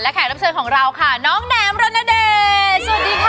และแขกรับเชิญของเราค่ะน้องแหนมรณเดชน์